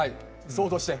想像して。